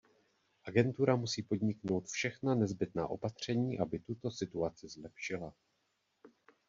Agentura musí podniknout všechna nezbytná opatření, aby tuto situaci zlepšila.